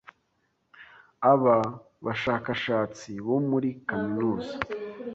Aba bashakashatsi bo muri Kaminuza